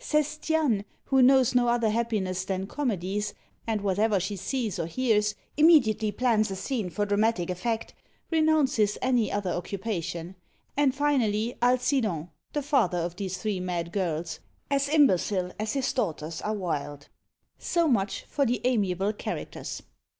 Sestiane, who knows no other happiness than comedies, and whatever she sees or hears, immediately plans a scene for dramatic effect, renounces any other occupation; and finally, Alcidon, the father of these three mad girls, as imbecile as his daughters are wild. So much for the amiable characters!